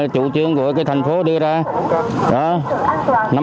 chủ trương của thành phố đưa ra